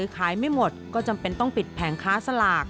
ไม่หมดก็จำเป็นต้องปิดแผงค้าสลาก